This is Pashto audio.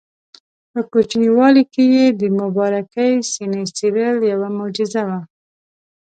په کوچنیوالي کې یې د مبارکې سینې څیرل یوه معجزه وه.